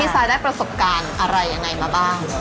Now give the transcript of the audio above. พี่ซาได้ประสบการณ์อะไรอันไหนมาบ้าง